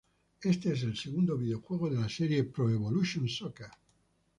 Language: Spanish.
Este es el segundo videojuego de la serie "Pro Evolution Soccer".